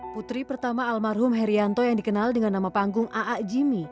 putri pertama almarhum herianto yang dikenal dengan nama panggung aa jimmy